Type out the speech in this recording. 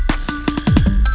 gak ada yang nungguin